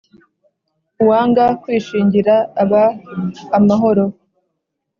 uwanga kwishingira aba amahoro